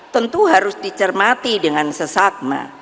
tentu harus dicermati dengan sesakma